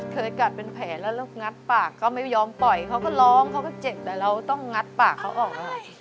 เคยกัดเป็นแผลแล้วเรางัดปากก็ไม่ยอมปล่อยเขาก็ร้องเขาก็เจ็บแต่เราต้องงัดปากเขาออก